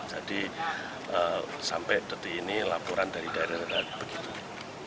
jadi sampai detik ini laporan dari daerah daerah begitu